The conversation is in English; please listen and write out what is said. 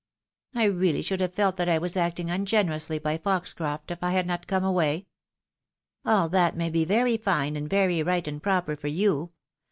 I really should have felt that I was acting ungenerously by Fox croft if I had not come away." A VALUATION. 233 " All that may be very fine, and very right and proper for you.